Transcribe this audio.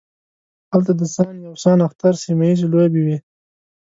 هلته د سان یو سان اختر سیمه ییزې لوبې وې.